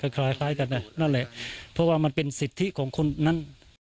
คล้ายกันนะนั่นแหละเพราะว่ามันเป็นสิทธิของคนนั้น